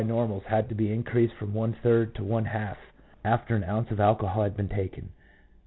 normals, had to be increased from one third to one half after an ounce of alcohol had been taken.